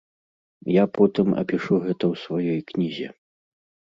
Я потым апішу гэта ў сваёй кнізе.